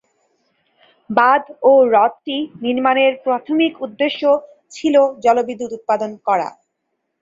বাঁধ ও হ্রদটি নির্মাণের প্রাথমিক উদ্দেশ্য ছিল জলবিদ্যুৎ উৎপাদন করা।